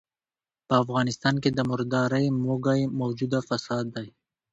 په افغانستان کې د مردارۍ موږی موجوده فساد دی.